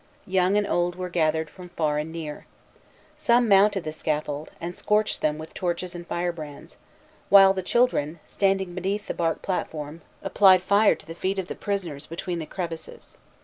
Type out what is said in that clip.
Young and old were gathered from far and near. Some mounted the scaffold, and scorched them with torches and firebrands; while the children, standing beneath the bark platform, applied fire to the feet of the prisoners between the crevices.